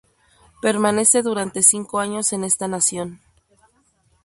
Permanece durante cinco años en esta nación.